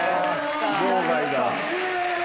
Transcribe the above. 場外だ。